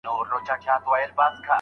ډېره ډوډۍ ماڼۍ ته وړل سوې وه.